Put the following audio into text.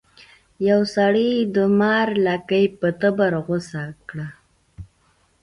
یو سړي د مار لکۍ په تبر غوڅه کړه.